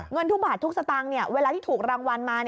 เงินทุกบาททุกสตางค์เวลาที่ถูกรางวัลมา